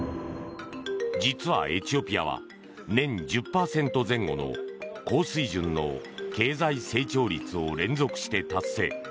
実は、エチオピアは年１０％前後の高水準の経済成長率を連続して達成。